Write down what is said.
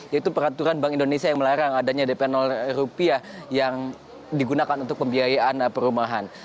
yaitu peraturan bank indonesia yang melarang adanya dp rupiah yang digunakan untuk pembiayaan perumahan